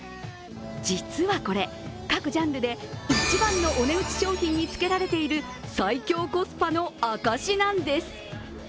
実はこれ、各ジャンルで一番のお値打ち商品につけられている最強コスパの証しなんです。